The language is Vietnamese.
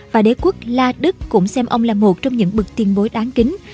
và đế quốc la đức cũng xem ông là một trong những bực tiền bối đáng kính